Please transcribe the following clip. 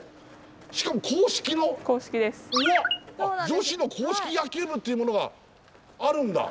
女子の硬式野球部っていうものがあるんだ。